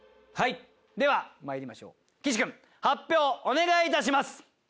ではまいりましょう岸君発表お願いいたします。